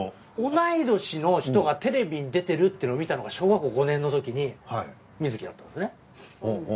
同い年の人がテレビに出てるっていうのを見たのが小学校５年のときに観月だったんですね。